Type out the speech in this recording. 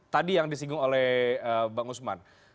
tadi yang disingkong oleh pak usman